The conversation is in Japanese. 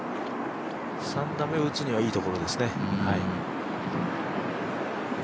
３打目を打つにはいいところですね